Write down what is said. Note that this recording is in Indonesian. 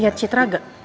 lo ada citra gak